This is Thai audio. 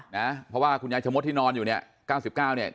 นะเพราะว่าคุณยายชะมดที่นอนอยู่เนี่ย๙๙เนี่ย